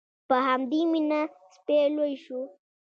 په همدې مینه سپی لوی شو.